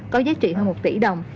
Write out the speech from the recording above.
có giá trị hơn một tỷ đồng